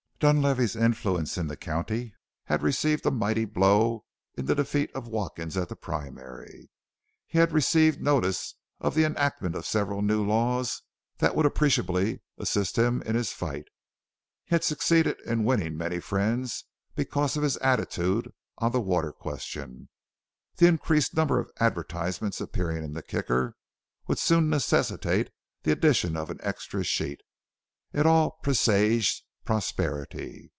Dunlavey's influence in the county had received a mighty blow in the defeat of Watkins at the primary; he had received notice of the enactment of several new laws that would appreciably assist him in his fight; he had succeeded in winning many friends because of his attitude on the water question; the increased number of advertisements appearing in the Kicker would soon necessitate the addition of an extra sheet. It all presaged prosperity.